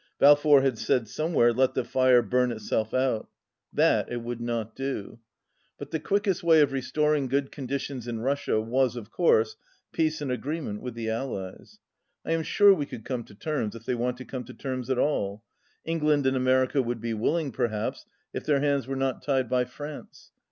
Balfour had said somewhere, "Let the fire burn itself out." That it 224 would not do. But the quickest way of restoring good conditions in Russia was, of course, peace and agreement with the Allies, "I am sure we could come to terms, if they want to come to terms at all. England and America would be willing, perhaps, if their hands were not tied by France.